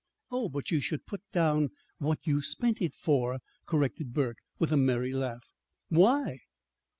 "Oh, but you should put down what you spent it for," corrected Burke, with a merry laugh. "Why?"